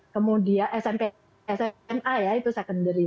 kemudian sma itu secondary